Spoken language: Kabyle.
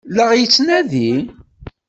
La ɣ-yettnadi?